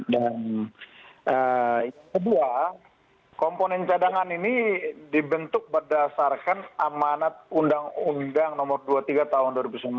dan itu dua komponen cadangan ini dibentuk berdasarkan amanat undang undang nomor dua puluh tiga tahun dua ribu sembilan belas